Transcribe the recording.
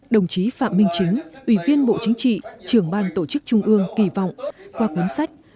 đồng chí phạm minh chính ủy viên bộ chính trị trưởng ban tổ chức trung ương kỳ vọng qua cuốn sách